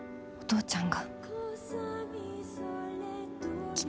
お父ちゃん！